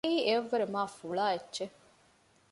އެއީ އެޔަށްވުރެ މާ ފުޅާ އެއްޗެއް